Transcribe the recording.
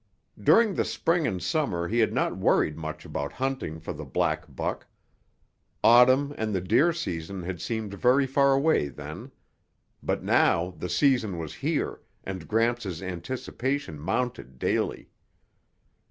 During the spring and summer he had not worried much about hunting for the black buck. Autumn and the deer season had seemed very far away then. But now the season was here, and Gramps' anticipation mounted daily.